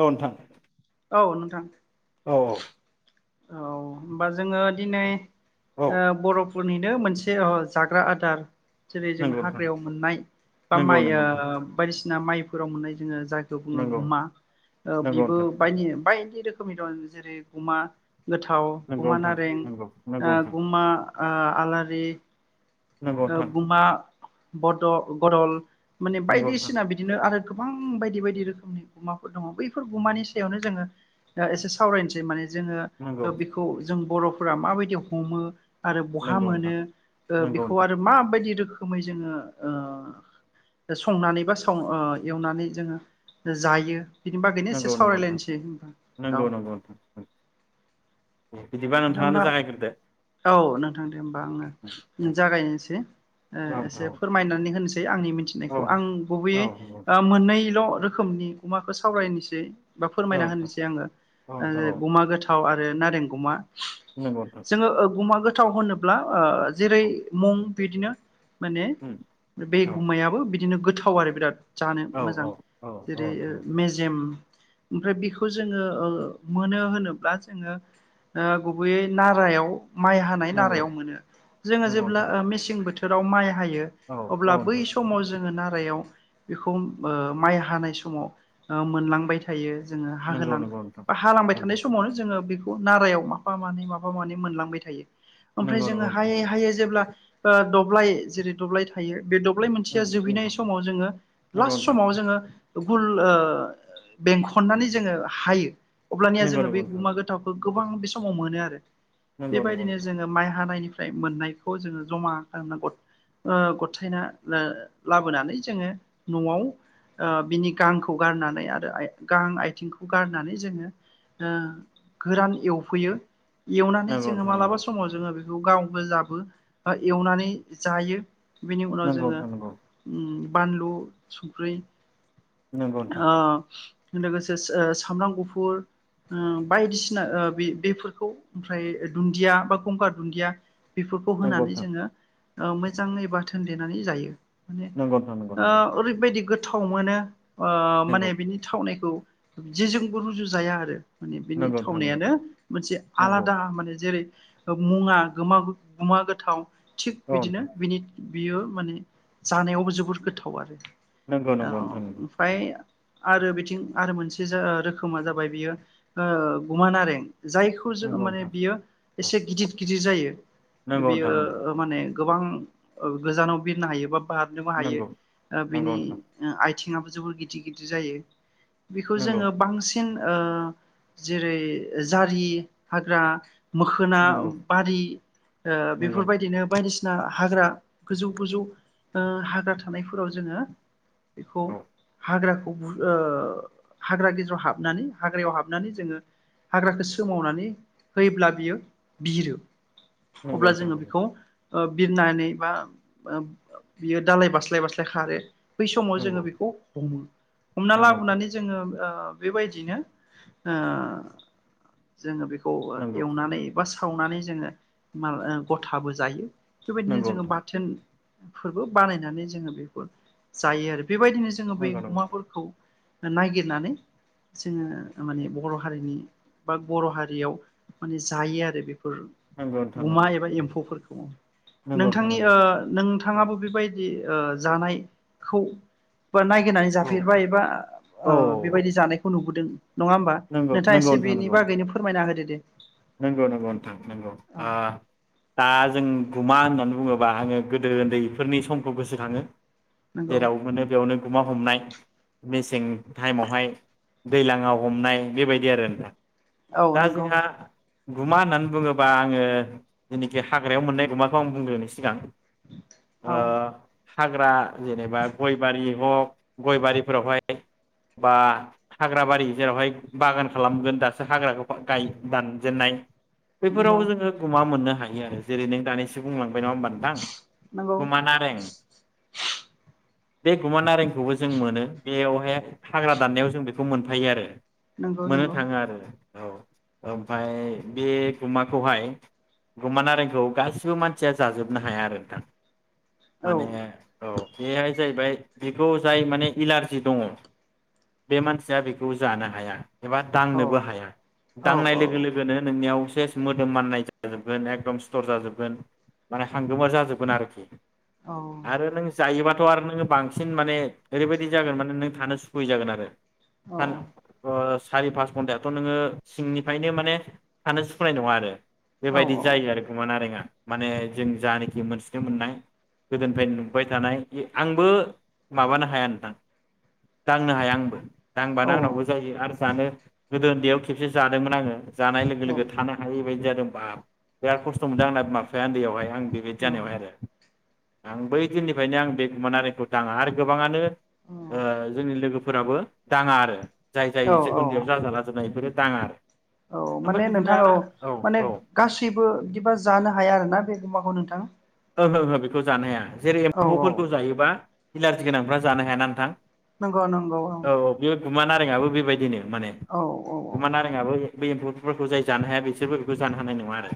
औ नोंथां । औ नोंथां । औ औ । औ होमबा जोङो दिनै औ ओ बर'फ फोरनिनो मोनसे ओ जाग्रा आदार जेरै जों नंगौ नोंथां हाग्रायाव मोननाय बा नंगौ माइ नंगौ ओ नोंथां बायदिसि ना माइफोराव मोननाय जोङो जायखो बुङो नंगौ गुमा ओ नंगौ बिबो नोंथां बायदि बाय दि रोखोमनि दं जेरै गुमा । गोथाव, नंगौ गुमा नारें ओ नोंथां गुमा आ आलारि नंगौ ओ गुमा बद' बदल । माने नंगौ नोंथां बायदिसिना बिदिनो आरो गोबां बायदि बायदि रोखोमनि गुमाफोर दङ बैफोर गुमानि सायावनो जोङो ओ एसे सावरायनोसै माने जोङो नंगौ ओ बेखौ जों बर'फोरा माबायदि हमो आरो बहा नोंथां मोनो ओ नंगौ बिख खौ नोंथां आरो माबायदि रोखो खोमै जोङो ओ संनानै बा साव एवनानै जोङो जायो। बिनि बागैनो एसे नंगौ नंगौ नोंथां नंगौ नोंथां सावरायलायनोसै होनबा औ नंगौ नंगौ नोंथां नंगौ । नोंथां बिदिबा दा नोंथाङानो होमबा जागायग्रोदो औ नोंथां दे होमबा औ आङो जागायनोसै एसे नोंथां फोरमायनानै होनोसै दे आंनि मिथिनाय औ आं गुबैयै नंगौ ओ मोननैल' रोखोमनि गुमाखो सावरायनोसै बा औ फोरमायना नोंथां होनोसै आङो औ नोंथां ओ औ गुमा गोथाव आ रो नारेंगुमा नंगौ नोंथां जोङो ओ गुमा गोथ गोथाव होनोब्ला ओ जेरै औ मुं बिदिनो माने बे औ गुमायाबो बिद बिदिनो गोथाव आरो बिराद जानो औ मोजां औ औ जेरै ओ नोंथां मेजेम ओमफ्राय बेखौ जोङो ओ मोनो होनोब्ला जोङो ओ गुबैयै नारायाव माइ हानाय नंगौ नारायाव मोनो जोङो नंगौ जेब्ला नोंथां ओ मेसें बोथो थोराव माइहा हायो औ औ अब्ला बै नोंथां समाव जोङो नारायाव बेखौ ओ माइ हानाय समाव ओ मोनलांबाय थायो । नंगौ जोोहाहोलां नंगौ नोंथां बा हालांबाय थानाय नंगौ समावनो जोङो बेखौ नारायाव माफा मानै माबा मानै मोनलांबाय थायो। ओमफ्राय नंगौ नंगौ जोङो नोंथां हायै हायै जेब्ला दब्लाय जेरै दब्लाय थायो बे दब्लाय मोनसेया नंगौ नंगौ जोबहैनाय समाव जोङो नंगौ लास्ट नोंथां समाव जोङो गुल बेंखननानै जोङो हायो । अब्लानिया नंगौ जोङो नंगौ बे नोंथां गुमा गोथावखौ गोबां बेस समाव मोनो आरो । बेबायदिनो जोङो माइ हानायनिफ्र मोननायखौ जोङो जमा खालामना गथायना लाबोनानै जोङो न'आव ओ बिनि गांखौ गारनानै आरो गां आथिंखौ गारनानै जोङो गोरान एव फैयो एवनानै नंगौ नंगौ जोङो नोंथां मालाबा समाव जोङो बे गाव गोजाबो एवनानै जायो बिनि उनाव नंगौ जोङो बानलु संख्रि नोंथां अ लोगोसे सो सामब्राम गुफुर ओ बायदिसिना ओ बे बेफोरखौ ओमफ्राय दुन्दिया बा गंगार दुन्दिया बेफोरखौ नंगौ होनानै जोङो ओ मोजाङै बाथोन देनानै जायो माने नंगौ नोंथां नंगौ ओ ओरैबायदि गोथ गोथाव मोनो ओ नंगौ माने बिनि थावनायखौ जेजोंबो रुजु जाया आरो माने बिनि नोंथां नंगौ नोंथां थावनायानो नंगौ मोनसे आलादा माने जेरै मुङा गोमा गुमा गोथाव थिग बिदिनो बिनि बियो माने जानायावबो जोबोर गोथाव आरो नोंगौ औ नोंगौ नोंथां नोंगौ ओमफ्राय आरो बिथिं आरो मोनसे जा रोखोमा जाबाय बियो ओ गुमा नारें जायखौ जोङो नंगौ माने बियो एसे गिदिर गिदिर जायो बियो नंगौ माने गोबां गोजानाव बिरनो हायोबा बारनोबो हायो नंगौ बिनि नोंथां ओ आइ आथिंयाबो जोबोर गिदिर गिदिर जायो बेखौ जोङो बांसिन ओ जेरै जारि हाग्रा मोखोना नंगौ बारि ओ नंगौ बेफोरबायदिनो बायदिसिना ना हाग्रा गोजौ गोजौ ओ हाग्रा थानायफोराव जोङो बेखौ औ हाग्राखौ ओ हाग्रा गेजेराव हाबनानै हाग्रायाव हाबनानै जोङो हाग्राखौ सोमावनानै होयोब्ला बियो बिरो अब्ला नोंथां जोङो बेखौ ओ बिरनानै बा बियो दालाय बास्लाय बास्लाय खारो बै समाव नंगौ जोङो बेखौ हमो हमना नंगौ नोंथां लाबोनानै जोङो ओ बेबायदिनो ओ जोङो बेखौ खौ नंगौ एवनानै बा सावनानै जोङो मा गथाबो जायो बेबायदिनो नंगौ नोंथां औ नंगौ नोंथां नंगौ जोङो नोंथां बाथोन फोरबो बानायनानै जोङो बेखौ जायो आरो बेबायदिनो जोङो बे नंगौ अमाफोरखौ नागिरनानै जोङो माने बर' हारिनि बा बर' हारियाव माने जायो आरो बे फोर नंगौ नंगौ नोंथां गुमा एबा औ एम्फौफोरखौ नंगौ नोंथां नंगौ नोंथां नंगौ नोंथां नंगौ नोंथां नंगौ नोंथां नोंथांनि नंगौ ओ औ नोंथाङाबो बेबायदि ओ जानायखौ बा नायगिरनानै औ जाफेरबाय एबा ओ औ बेबायदि जानायखौ नुबोदों नङा होमबा नंगौ नोंथाङा नंगौ एसे नोंथां नंगौ बेनि फोरमायना होदो दे नंगौ नंगौ नोंथां नंगौ औ आ दा जों गुमा होननानै बुङोबा आङो गोदो उन्दैफोरनि समखौ गोसोखाङो नंगौ जेराव मोनो बेयावनो गुमा हमनाय मेसें टाइमावहाय दैज्लाङाव हमनाय बेबायदि आरो दा औ दा नंगौ जोंहा गुमा होननानै बुङोबा आङो जेनाखि हाग्रायाव मोननाय गुमाखौ आं बुंग्रोनो सिगां ओ औ हाग्रा जेनेबा गय बारि हक गय बारिफोरावहाय बा हाग्रा बारि जेरावहाय बागान खालामगोन दासो हाग्राखौ गाय दान जेननाय नंगौ बेफोरावबो जोङो गुमा मोननो थायो आरो जेरै नों दानैसो बुंलां नङा होमबा नोंथां नंगौ गुमा नारें बे गुमा नारेंखौबो जों मोनो बेयावहाय हाग्रा दाननायाव जों बेखौ मोनफायो आरो नंगौ मोननो नंगौ थाङो आरो औ औ ओमफ्राय बे गुमाखौहाय गुमा नारेंखौ गासिबो मानसिया जाजोबनो हाया आरो नोंथां औ माने औ बेहाय जाहैबाय बेखौ जाय माने इलारजि दङ बे मानसिया बेखौ जानो हाया। एबा औ दांनोबो हाया औ दांनाय लोगो गोनो नोंनियाव सेस मोदोम माननाय जाजोबगोन एकदम सिथर जाजोबगोन माने हांगोमोर जाजोबगोन आरोखि। औ आरो नों जायोबा थ' आरो नोङो बांसिन माने ओरैबायदि जागोन माने नों थानो सुखुयै जागोन आरो। औ हान अ सारि पास घन्टायाथ' नोङो सिंनि ओंखायनो माने थानो सुखुनाय नङा आरो। औ बेबायदि जायो आरो गुमा नारेंआ। माने जों जानाखि मोनथिनो मोननाय गोदोनिफ्रायनो नुबाय थानाय आंबो माबानो हाया नोंथां दांनो हाया आंबो। दांबानो आंनावबो औ जायो आरो जानो गोदो उन्दैयाव खेबसे जा बायमोन आङो। जानाय लोगो लोगो थानो हायै बायदि जादोंबाब बिराद खस्थ' मोनदों आंना बिमा बिफाया उन्दैयावहाय आं। बेबायदि जानायावहाय आरो। आं बै दिननिफ्रायनो आं बे गुमा नारेंखौ दाङा आरो गोबाङानो आ जोंनि लोगोफो फोराबो दाङा आरो। जाय जाय औ औ उन्दैयाव जाजाला जोबनाय इफोरो दाङा आरो। औ ओमफ्राय माने बिदिनो नोंथां औ आरो माने गासैबो बिदिबा जानो हाया आरोना बे गुमाखौ नोंथां। ओहो ओहो बेखौ जानो हाया। जेरै औ औ एम्फौफोरखौ जायोबा इलारजि गोनांफ्रा जानो हायाना नोंथां? नंगौ नंगौ औ। गुमा नारेङाबो बेबायदिनो। माने औ औ गुमा नारेङाबो बेबा बे एम्फौफोरखौ जाय जानो हाया बिसोरबो बेखौ जानो हानाय नङा आरो।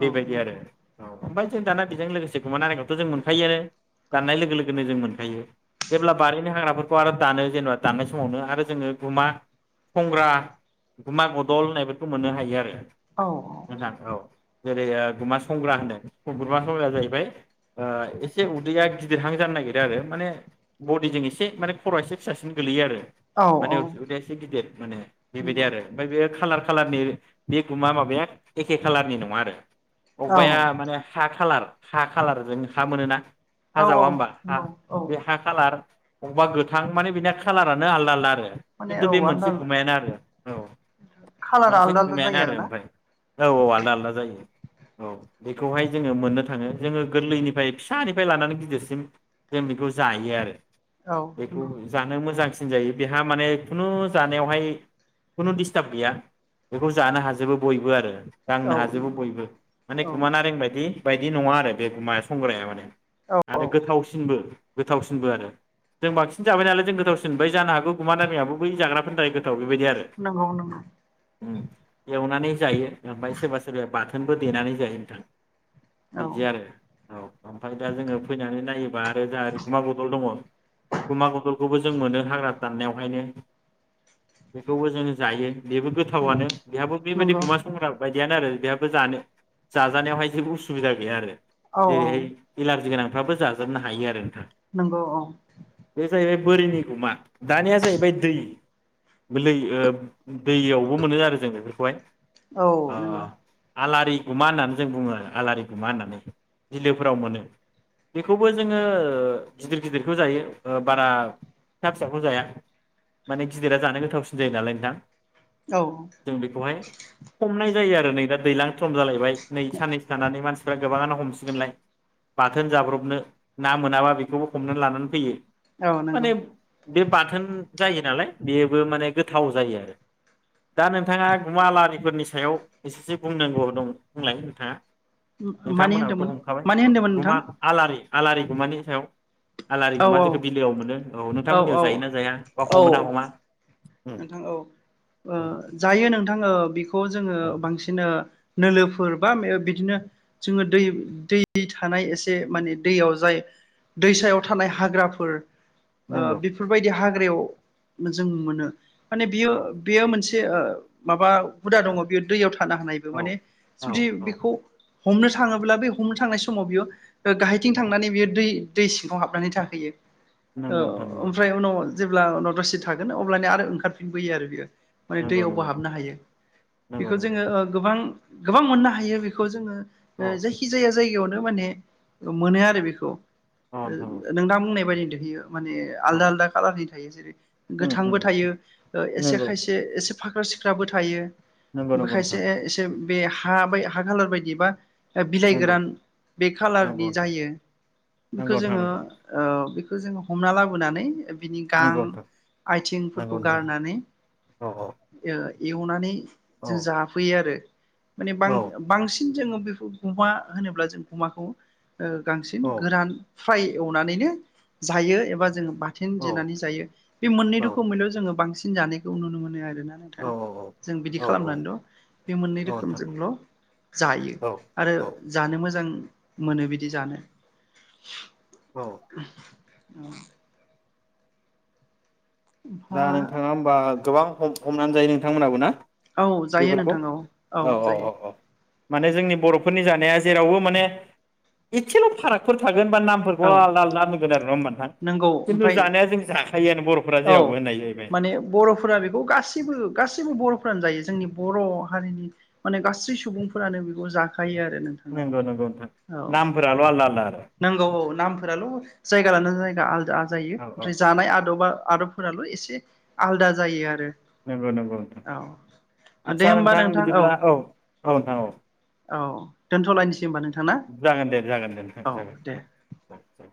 औ आरो नंगौ औ। ओमफाय जों दाना बेजों लोगोसे गुमा नारेंखौथ' जों मोनखायो आनो दाननाय लोगो लोगोनो जों मोनखायो जेब्ला बारिनि हाग्राफोरखौ आरो दानो जेनेबा दाननाय समावनो आरो जोङो गुमा संग्रा गुमा गदल होननायफोरखौ मोननो हायो आरो। औ मोजां औ। जेरैहा गुमा संग्रा होनो गुमा संग्राया जाहैबाय एसे उदैया गिदिरहां जानो नागिरो आरो माने बडिजों एसे माने खर' एसे फिसासिन गोलैयो आरो। औ माने औ उदैया एसे गिदिर माने बेबायदि नंगौ आरो ओमफ्राय बेयो खालार खालारनि बे गुमा माबाया एखे खालारनि नङा आरो। औ अबेबाया माने हा खालार हा खालार जों हा मोनोना हा औ औ जावा होमबा हा नंगौ औ बे हा कालार। अबावबा गोथां माने बिनिया खालारानो आलदा आलदा आरो। माने खिन्थु औ बे मोनसे आलदा गुमायानो आरो औ खालारा मोनसे आलदा आलदा गुमायानो जायो आरो ओमफ्राय औ औ आलदा आलदा जायो। औ बेखौहाय जोङो मोननो थाङो जोङो गोरलैनिफ्राय फिसानिफ्राय लानानै गिदिरसिम जों बेखौ जायो आरो। बेखौ आरोना जानो मोजांसि न होनजायो बेहा माने खुनु जानायावहाय खुनु दिडस्टार्ब गैया बेखौ जानो हाजोबो बयबो आरो। गांनो हाजोबो बयबो माने औ गुमा नारें बायदि। बेबायदि नङा आरो बेगुमाया संग्राया माने। आरो गोथाव गोथावसिनबो आरो। बेबायदि आरो नंगौ औ उम एवनानै जायो ओमफ्राय सोरबा सोरबाया बाथोनबो देनानै जायो नोंथां। बिदि आरो औ ओमफ्राय दा जोङो फैनानै नायोबा आरो जोंहा ओरै गुमा बदल दङ गुमा बदल बेखौबो जों मोनो हाग्रा दाननायावहायनो बेखौबो जों जायो। बेबो गोथावआनो बेहाबो बेबायदि नंगौ गुमा संग्रा बायदि। बियानो आरो बेहाबो जानो जाजानायावहाय जेबो उसुबिदा गैया आरो। औ नंगौ औ नंगौ औ औ देहोय इलारजि गोनां फाबो जाजोबनो हायो आरो। नोंथां नंगौ औ बे जाहैबाय बोरिनि गुमा दानिया जाहैबाय दै दैयावबो मोनो आरो जोङो बेखौहाय औ नंगौ आलारि गुमा होननानै जों बुङो आरो। आलारि गुमा होननानै बिलोफोराव मोनो बेखौबो जोङो गिदिर गिदिरखौ जायो बारा फिसा फिसाखौ जाया माने गिदिरा जानो गोथावसिन जायो नालाय नोंथां। औ जों बेखौहाय हमनाय जायो आरो नै दा दैलां सम जालायबाय नै साननैै नै मानसिफ्रा गोबाङानो हमसिगोनलाय बाथोन जाब्रबनो ना मोनाबा बेखौबो हमनानै लानानै फैयो। औ नंगौ माने बे बाथोन जायो नालाय बेबो माने गोथाव जायो आरो दा नोंथाङागुमालारि फोरनि सायाव एसेसो बुंनांगौ दं बुंलाय नोंथाङा मानि नोंथांमोनहाबोथ' होनदोंमोन हमखाबाय मानि होनदोंमोन नोंथां गुमा आलारि आलारि गुमानि सायाव आलारि औ गुमा औ जोङो बिलोआव मोनो औ नोंथांमोननियाव जायोना जाया बा औ हमो ना हमा उम नोंथां औ ओ उम जायो नोंथां औ बिखौ जोङो बांसिनो नोलोफोर बा बिदिनो जोङो दै दै थानाय एसे माने दैयाव जाय दैसायाव थानाय हाग्राफोर ओ नंगौ बेफोरबायदि हाग ग्रेव जों मोनो माने बियो औ बियो मोनसे बे ओ माबा हुदा दङ बेयो दैयाव थ खाना होनायबो औ माने औ जुदि औ बेखौ हमनो थाङोब्ला बे हमनो थांनाय समाव बियो ओ गाहायथिं औ थांनानै बियो दै दै सिङाव हाबनानै थाहैयो औ नंगौ नोंथां ओमफ्राय उनाव जेब्ला उनाव दसे थागोन अब्लानिया आरो ओंखारफिनबोयो आरो बेयो माने नंगौ दैयावबो नंगौ हाबनो हायो नंगौ नंगौ बेखौ जोङो ओ गोबां गोबां मोननो हायो बेखौ जोङो औ ओ जायखि जाया जायगायावन माने मोनो आरो बेखौ औ नोंथां औ नोंथाङा बुंनाय बायदि बियो माने औ आलदा आलदा खाालारनि थायो जेरै उम गोथांबो उम थायो ओ एसे नंगौ खायसे एसे फाख्रा सिख्राबो थायो नंगौ नंगौ ओमफ्राय खायसे नोंथां इसे बे हा बाय हा खालार बायदि बा बिलाइ नंगौ गोरान बे खालारनि नंगौ नोंथां जायो बेखौ नंगौ नोंथां जोङो नंगौ ओम खौ जो हमना लाबोनानै बिनि गां नंगौ नोंथां आयथिंफोरखौ नंगौ नोंथां गारनानै औ ओ एवनानै औ जों जाफैयो आरो। माने बां औ बांसिन जोङो बेखौ गुमा होनोब्ला जों गुमाखौ ओ बांसिन औ गोरान फ्राय एवनानैनो जायो एबा जों बाथोन औ देनानै जायो बे मोननै रोखोमैल' जोङो बांसिन जानायखौ नुनो मोनो आरो। आरोना औ नोंथां जों बिदि औ औ खालामनानैल' बे मोननै नोंथां रोखोमजोंल' जायो औ आरो औ जानो मोजां मोनो बिदि जानो। औ [unintelligible] औ। दा ओमफाय नोंथाङा होमबा गोबां हम हमनानै जायो नोंथांमोनहाबो ना? औ जायो बेफोरखौ नोंथां औ औ जायो। माने जोंनि बर'फोरनि जानाया जेरावबो माने एसेल' फारागफोर थागो गोन बा औ नामफोरखौल' आलद आलदा दोनगोन आरो नङा होमबा नोंथां। नंगौ खिन्थु ओमफ्राय जानाया जों जा थायो आरो बर'फोरा जेराव औ माने बर'फोरा बेखौ गासिबो गासिबो बर' फोरानजायो जोंनि बर' हारिनि माने गासै सुबुंफोरानो बेखौ जानो फायो आरो नोंथांनाव। नंगौ नंगौ नोंथां औ नामफोराल' आलदा आलदा आरो नंगौ औ नामफोराल' जायगा लाना जायगा आलादा जायो औ औ ओमफ्राय जानाय आद'बा आदबफोराल' एसे आलदा जायो आरो। नंगौ नंगौ नोंथां। औ दे आस्सा होमबा नोंथां बिदिब्ला औ औ नोंथां औ औ दोनथ'लायनोसै होमबा नोंथां ना जागोन दे जागोन दे नोंथां औ दे जागोन।